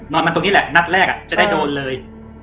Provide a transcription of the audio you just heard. มาตรงนี้แหละนัดแรกจะได้โดนเลย